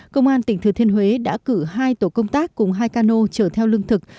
công an tỉnh thừa thiên huế đã cử hai tổ công tác cùng hai cano chở theo lương thực